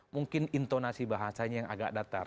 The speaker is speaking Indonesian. mungkin intonasi bahasanya yang agak datar